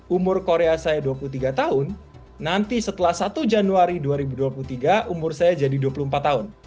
umur korea saya dua puluh tiga tahun nanti setelah satu januari dua ribu dua puluh tiga umur saya jadi dua puluh empat tahun